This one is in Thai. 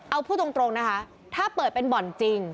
เอาพูดตรงนะคะถ้าเปิดเป็นบ่อนจริง